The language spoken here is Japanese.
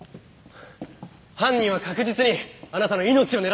犯人は確実にあなたの命を狙っていたんですよ！